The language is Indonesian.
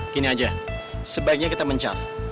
gini aja sebaiknya kita mencar